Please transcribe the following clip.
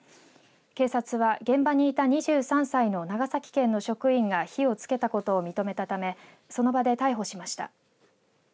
警察は現場にいた２３歳の長崎県の職員が火をつけたことを認めたためその場で逮捕しました。